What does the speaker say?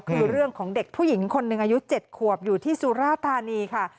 คือเรื่องของเด็กผู้หญิงคนหนึ่งอายุ๗ขวบอยู่ที่สุราธานีค่ะ